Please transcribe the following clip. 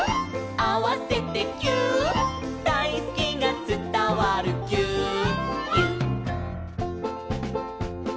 「あわせてぎゅーっ」「だいすきがつたわるぎゅーっぎゅっ」